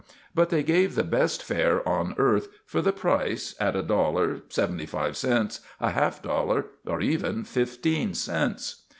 But they gave the best fare on earth, for the price, at a dollar, seventy five cents, a half a dollar, or even fifteen cents.